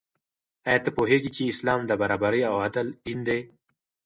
آیا ته پوهېږې چې اسلام د برابرۍ او عدل دین دی؟